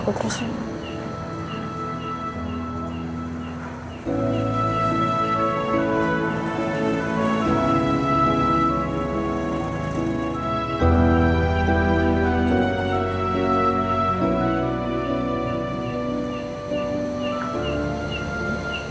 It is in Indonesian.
kamu juga akan mencintai aku